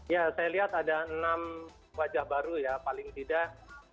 ya saya lihat ada enam wajah baru ya paling tidak